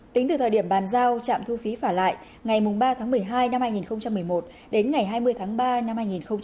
tính từ thời điểm bàn giao trạm thu phí phả lại ngày ba tháng một mươi hai năm hai nghìn một mươi một đến ngày hai mươi tháng ba năm hai nghìn hai mươi